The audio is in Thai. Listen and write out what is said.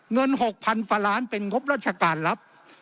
เงิน๖๐๐๐บาทเป็นงบราชการรับ